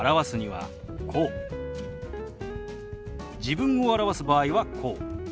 自分を表す場合はこう。